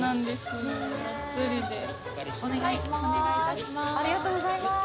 よろしくお願いします